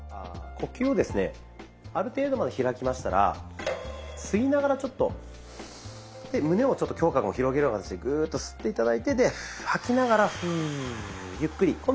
呼吸をですねある程度まで開きましたら吸いながらちょっと胸をちょっと胸郭も広げるような形でグーッと吸って頂いて吐きながらフーゆっくり。